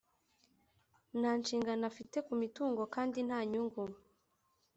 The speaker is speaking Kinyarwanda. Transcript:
nta nshingano afite ku mitungo kandi nta nyungu